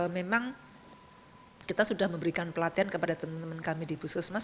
memang kita sudah memberikan pelatihan kepada teman teman kami di puskesmas